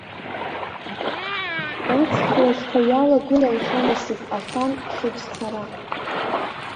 Аҵх лашьца иалагылан ҳанасыԥ ахан хьыҵәцара.